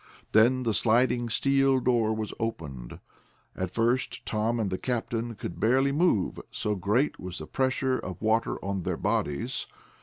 Then the sliding steel door was opened. At first Tom and the captain could barely move, so great was the pressure of water on their bodies.